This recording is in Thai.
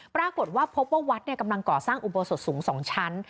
ปรากฏว่าพบว่าวัดกำลังก่อสร้างอุโบสถสูง๒ชั้น